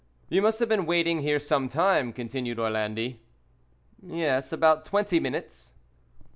"You must have been waiting here some time," continued Orlandi. "Yes, about twenty minutes."